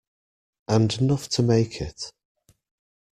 And enough to make it.